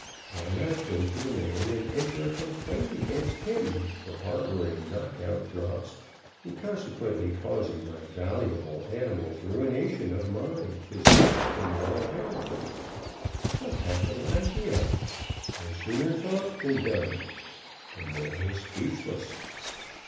Why not go to the man and enter a complaint against him for harboring knock out drops, and consequently causing my valuable animals ruination of mind, physique and moral character? A capital idea! No sooner thought than done. The man was speechless.